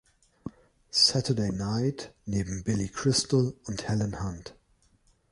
Saturday Night" neben Billy Crystal und Helen Hunt.